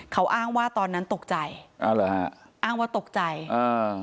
เขาอ้างว่าตอนนั้นตกใจอ้าวเหรอฮะอ้างว่าตกใจอ่า